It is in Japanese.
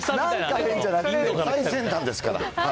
最先端ですから。